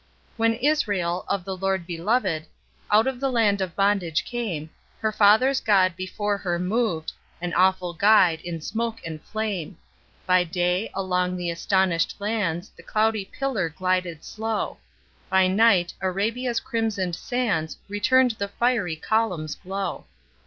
When Israel, of the Lord beloved, Out of the land of bondage came, Her father's God before her moved, An awful guide, in smoke and flame. By day, along the astonish'd lands The cloudy pillar glided slow; By night, Arabia's crimson'd sands Return'd the fiery column's glow.